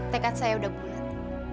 tekad saya udah bulat